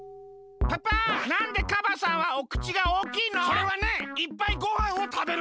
それはねいっぱいごはんをたべるためだよ。